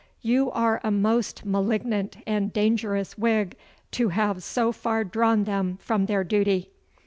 You are a most malignant and dangerous Whig to have so far drawn them from their duty.